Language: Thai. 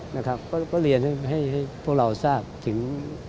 นะครับก็เรียนให้พวกเราทราบถึง